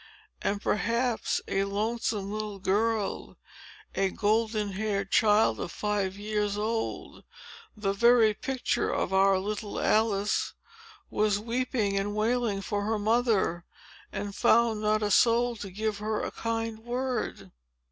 And, perhaps, a lonesome little girl, a golden haired child of five years old, the very picture of our little Alice, was weeping and wailing for her mother, and found not a soul to give her a kind word.